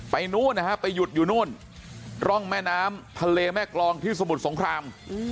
นู้นนะฮะไปหยุดอยู่นู่นร่องแม่น้ำทะเลแม่กรองที่สมุทรสงคราม